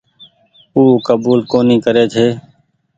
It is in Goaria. او ڪبول ڪونيٚ ڪري ڇي۔